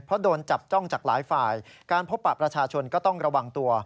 เพราะโดนจับจ้องจากหลายฝ่ายการพบปะประชาชนก็ต้องระวังตัว